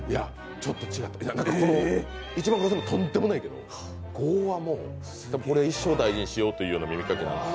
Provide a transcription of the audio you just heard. ちょっと違う、１万５０００円もとんでもないけど５はもう、一生大事にしようというような耳かきなんです。